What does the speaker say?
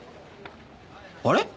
あれ？